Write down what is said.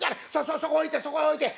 そそそこ置いてそこへ置いて。